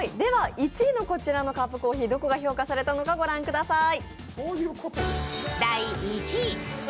１位のこちらのカップコーヒー、どこが評価されたのか、御覧ください。